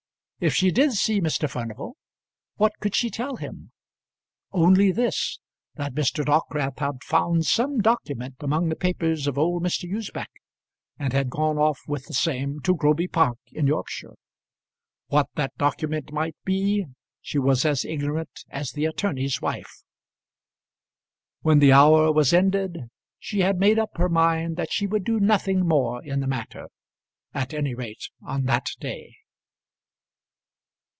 If she did see Mr. Furnival, what could she tell him? Only this, that Mr. Dockwrath had found some document among the papers of old Mr. Usbech, and had gone off with the same to Groby Park in Yorkshire. What that document might be she was as ignorant as the attorney's wife. When the hour was ended she had made up her mind that she would do nothing more in the matter, at any rate on that day.